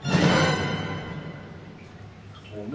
お前。